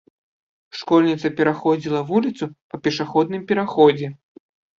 Школьніца пераходзіла вуліцу па пешаходным пераходзе.